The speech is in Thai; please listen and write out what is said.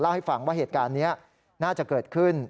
ให้ฟังว่าเหตุการณ์นี้น่าจะเกิดขึ้น